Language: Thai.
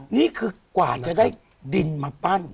นี่คือกว่าจะได้ดินมาปั้น